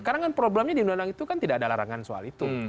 sekarang kan problemnya di nulandang itu kan tidak ada larangan soal itu